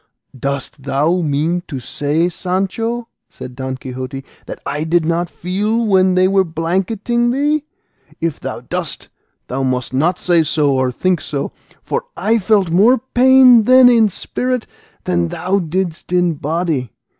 "Dost thou mean to say now, Sancho," said Don Quixote, "that I did not feel when they were blanketing thee? If thou dost, thou must not say so or think so, for I felt more pain then in spirit than thou didst in body.